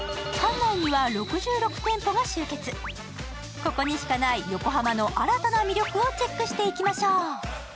ここにしかない横浜の新たな魅力をチェックしていきましょう。